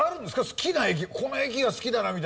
好きな駅この駅が好きだなみたいな。